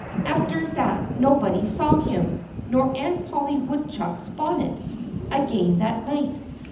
After that nobody saw him nor Aunt Polly Woodchuck's bonnet again that night.